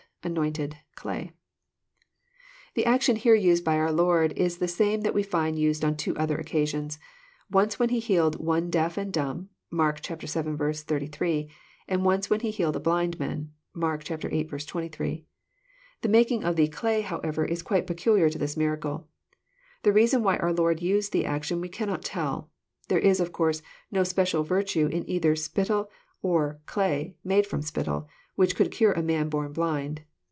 anoint€d.,.clay.'] The action here nsed by our Lord is the same that we find used on two other occasions, — once when He healed one deaf and dumb, (Mark vii. 88;) once when He healed a blind man. (Markviii. 28.) The making of the *< clay," however, is quite peculiar to this miracle. The reason why our Lord used the action we cannot tell. There is, of course, no special virtue either in spittle, or in clay made ftom spittle, whick could cure a man born blind.